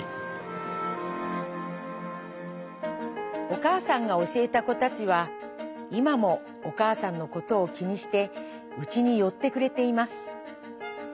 「おかあさんがおしえた子たちはいまもおかあさんのことを気にしてうちによってくれています。